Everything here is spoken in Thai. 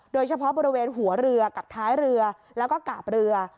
โดยเฉพาะบริเวณหัวเรือกับท้ายเรือแล้วก็กาบเรือ